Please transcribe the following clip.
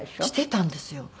してたんですよ。